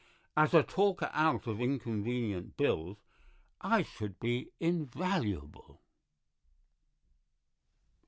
"As a talker out of inconvenient bills I should be invaluable."